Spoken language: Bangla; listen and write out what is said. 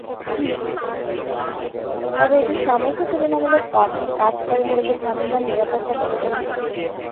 তবে এটির সামর্থ্য তুলনামূলক কম, কাজ করে মূলত ভ্রাম্যমাণ নিরাপত্তা ক্যামেরা হিসেবে।